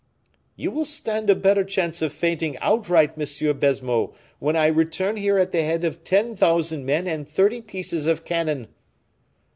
"You will stand a better chance of fainting outright, Monsieur Baisemeaux, when I return here at the head of ten thousand men and thirty pieces of cannon."